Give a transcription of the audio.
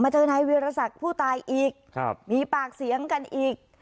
เจอนายเวียรศักดิ์ผู้ตายอีกครับมีปากเสียงกันอีก